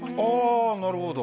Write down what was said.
なるほど。